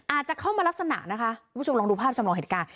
อาจจะเข้ามาลักษณะนะคะคุณผู้ชมลองดูภาพจำลองเหตุการณ์